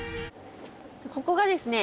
ここがですね